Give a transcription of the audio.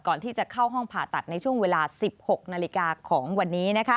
ก่อนที่จะเข้าห้องผ่าตัดในช่วงเวลา๑๖นาฬิกาของวันนี้